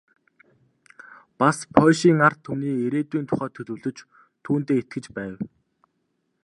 Бас польшийн ард түмний ирээдүйн тухай төлөвлөж, түүндээ итгэж байв.